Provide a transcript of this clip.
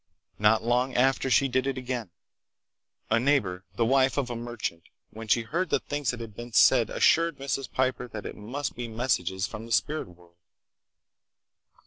Not long after she did it again. A neighbor, the wife of a merchant, when she heard the things that had been said, assured Mrs. Piper that it must be messages from the spirit world.